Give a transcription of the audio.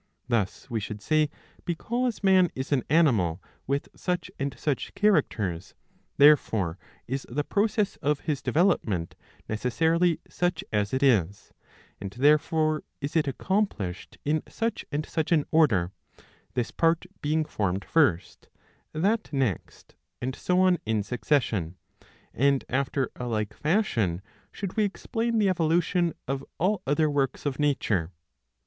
Thus we should say, 640 b. i. I. 5 because man is an animal with such and such characters, therefore is the process of his development necessarily such as it is ; and therefore is it accomplished in such and such an order, this part being formed first, that next, and so on in succession ; and after a like fashion should we explain the evolution of all other works of nature.